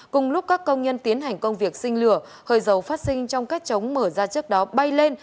cùng lúc các công nhân tiến hành công việc sinh lửa hơi dầu phát sinh trong kết trống mở ra trước đó bay lên